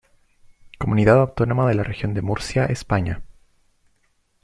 Comunidad autónoma de la Región de Murcia, España.